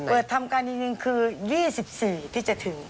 เปิดทำการยิ่งคือ๒๔ที่จะถึง